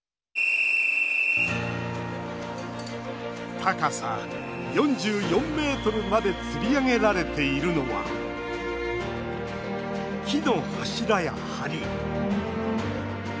高さ４４ｍまでつり上げられているのは木の柱や、はり。